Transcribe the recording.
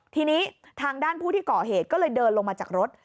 ทีนี้ทางด้านผู้ที่ก่อเหตุก็เลยเดินลงมาจากรถ